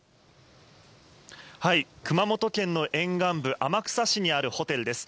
熊本県の沿岸部、天草市にあるホテルです。